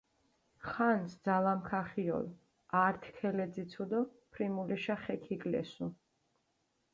ხანს ძალამქ ახიოლ, ართი ქელეძიცუ დო ფრიმულიშა ხე ქიგლესუ.